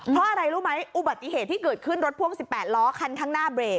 เพราะอะไรรู้ไหมอุบัติเหตุที่เกิดขึ้นรถพ่วง๑๘ล้อคันข้างหน้าเบรก